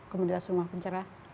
komunitas rumah pencerah